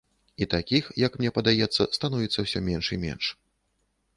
І такіх, як мне падаецца, становіцца ўсё менш і менш.